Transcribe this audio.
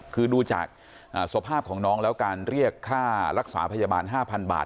คือดูจากสภาพของน้องแล้วการเรียกค่ารักษาพยาบาล๕๐๐๐บาท